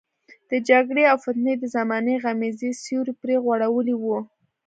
د جګړې او فتنې د زمانې غمیزې سیوری پرې غوړولی وو.